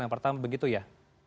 yang pertama begitu ya